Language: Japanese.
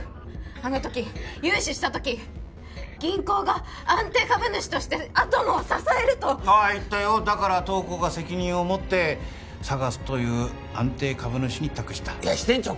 あの時融資した時銀行が安定株主としてアトムを支えるとああ言ったよだから当行が責任を持ってＳＡＧＡＳという安定株主に託したいや支店長